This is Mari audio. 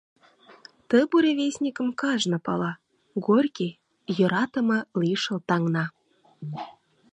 Ты буревестникым кажне пала, Горький — йӧратыме лишыл таҥна.